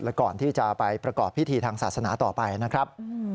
และก่อนที่จะไปประกอบพิธีทางศาสนาต่อไปนะครับ